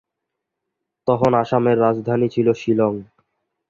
তখন আসামের রাজধানী ছিল শিলং।